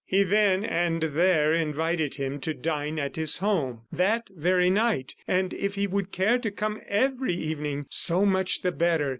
He then and there invited him to dine at his home that very night, and if he would care to come every evening, so much the better.